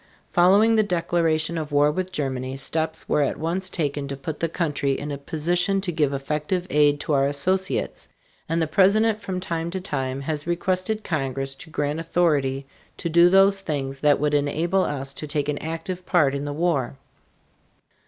Following the declaration of war with Germany, steps were at once taken to put the country in a position to give effective aid to our associates, and the President from time to time has requested Congress to grant authority to do those things that would enable us to take an active part in the war.